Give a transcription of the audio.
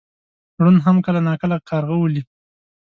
ړوند هم کله ناکله کارغه ولي .